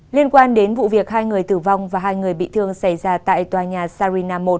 liên quan đến vụ việc hai người tử vong và hai người bị thương xảy ra tại tòa nhà sarina một